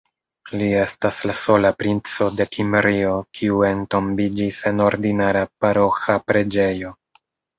Li estas la sola princo de Kimrio kiu entombiĝis en ordinara paroĥa preĝejo.